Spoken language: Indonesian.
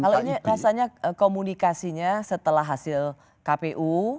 kalau ini rasanya komunikasinya setelah hasil kpu